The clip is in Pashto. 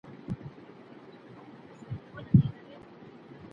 په زړه، خواره جونګړه کې ژوند نهتیریږي